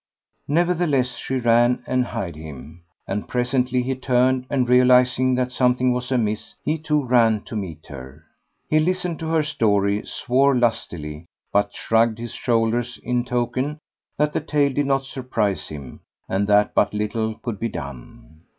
Nevertheless she ran and hied him, and presently he turned and, realizing that something was amiss, he too ran to meet her. He listened to her story, swore lustily, but shrugged his shoulders in token that the tale did not surprise him and that but little could be done.